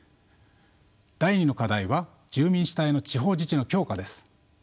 第２の課題は住民主体の地方自治の強化です。